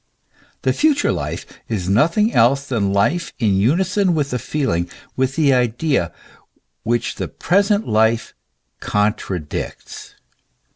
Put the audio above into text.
The future life is nothing else than life in unison with the feeling, with the idea, which the present life contradicts.